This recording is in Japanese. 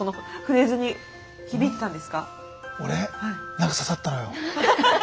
何か刺さったのよ。